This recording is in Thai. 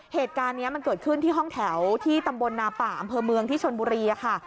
เหตุการณ์นี้มันเกิดขึ้นที่ห้องแถวที่ตำบลนาป่าอำเภอเมืองที่ชนบุรีค่ะ